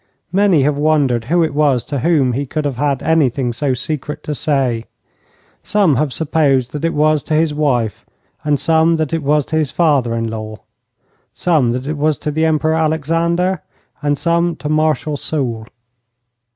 Many have wondered who it was to whom he could have had anything so secret to say. Some have supposed that it was to his wife, and some that it was to his father in law; some that it was to the Emperor Alexander, and some to Marshal Soult.